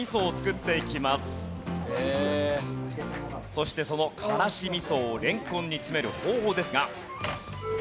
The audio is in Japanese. そしてその辛子味噌をれんこんに詰める方法ですが。